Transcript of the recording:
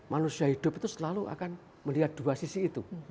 manusia hidup itu selalu akan melihat dua sisi itu